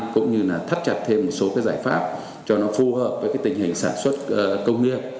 cũng như là thắt chặt thêm một số cái giải pháp cho nó phù hợp với tình hình sản xuất công nghiệp